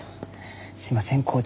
すいません紅茶